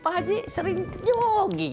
pak haji sering jogging